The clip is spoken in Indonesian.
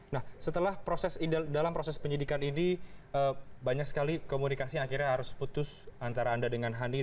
nah setelah proses dalam proses penyelidikan ini banyak sekali komunikasi yang akhirnya harus putus antara anda dengan pembantu anda